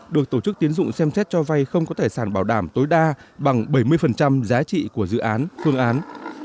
được tổ chức tiến dụng xem xét cho vay không có tài sản bảo đảm tối đa bằng bảy mươi giá trị của dự án phương án